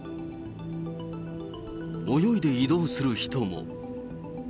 泳いで移動する人も。